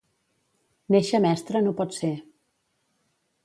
Néixer mestre no pot ser.